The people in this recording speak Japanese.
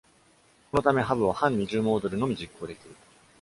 このため、ハブは半二重モードでのみ実行できる。